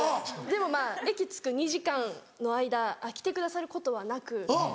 でもまぁ駅着く２時間の間来てくださることはなく。